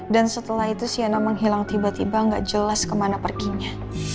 dan setelah itu shena menghilang tiba tiba gak jelas kemana perginya